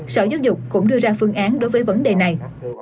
sở giáo dục cũng đưa ra phương án đối với vấn đề này